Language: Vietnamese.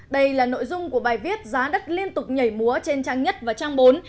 đây là nội dung của bài viết giá đất liên tục nhảy múa trên trang nhất và trang bốn